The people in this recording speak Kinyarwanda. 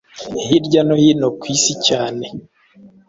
hirya no hino ku isi cyane